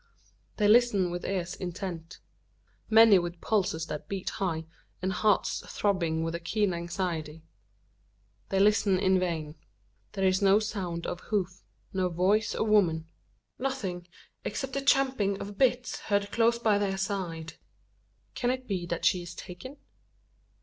They listen with ears intent, many with pulses that beat high, and hearts throbbing with a keen anxiety. They listen in vain. There is no sound of hoof no voice of woman nothing, except the champing of bitts heard close by their side! Can it be that she is taken?